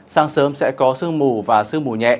sáng sớm sẽ có sương mù và sương mù nhẹ